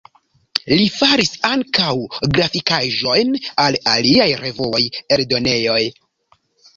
Li faris ankaŭ grafikaĵojn al aliaj revuoj, eldonejoj.